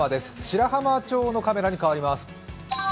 白浜町のカメラに変わります。